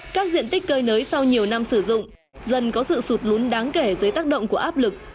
các diện tích cơi nới sau nhiều năm sử dụng dần có sự sụt lún đáng kể dưới tác động của áp lực